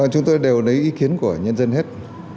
chúng tôi đều lấy ý kiến của nhân dân hết